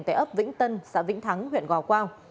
tại ấp vĩnh tân xã vĩnh thắng huyện gò quao